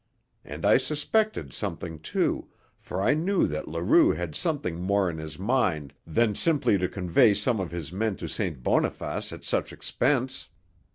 And I suspected something, too, for I knew that Leroux had something more in his mind than simply to convey some of his men to St. Boniface at such expense.